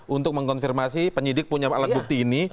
untuk mengkonfirmasi penyidik punya alat bukti ini